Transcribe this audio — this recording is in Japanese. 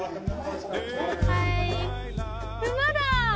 馬だ！